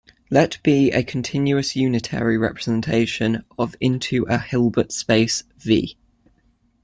Let be a continuous unitary representation of into a Hilbert space "V".